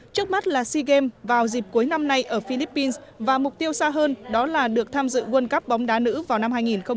trước mắt là sea games vào dịp cuối năm nay ở philippines và mục tiêu xa hơn đó là được tham dự world cup bóng đá nữ vào năm hai nghìn hai mươi